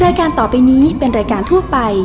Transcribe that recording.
รายการต่อไปนี้เป็นรายการทั่วไป